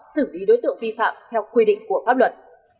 xử lý đối tượng vi phạm theo quy định của pháp luật